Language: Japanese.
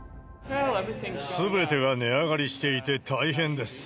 すべてが値上がりしていて大変です。